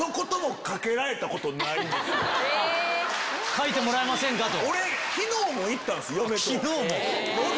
「書いてもらえませんか？」と。